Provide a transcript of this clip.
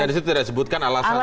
dan itu tidak disebutkan alasannya